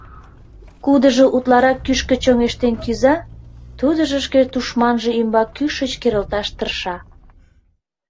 Кудыжо утларак кӱшкӧ чоҥештен кӱза, тудыжо шке тушманже ӱмбак кӱшыч керылташ тырша.